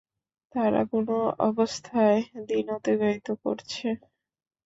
তারা কোন অবস্থায় দিন অতিবাহিত করছে?